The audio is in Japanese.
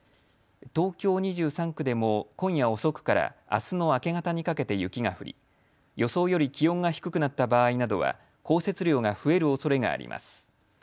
東京２３区でも今夜遅くからあすの明け方にかけて雪が降り予想より気温が低くなった場合などは降雪量が増えるおそれがあります。